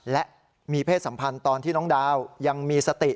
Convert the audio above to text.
และมีเพศสัมพันธ์ตอนที่น้องดาวยังมีสติ